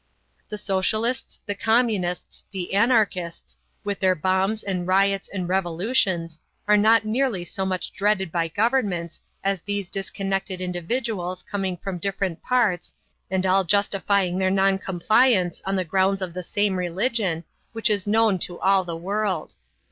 The socialists, the communists, the anarchists, with their bombs and riots and revolutions, are not nearly so much dreaded by governments as these disconnected individuals coming from different parts, and all justifying their non compliance on the grounds of the same religion, which is known to all the world.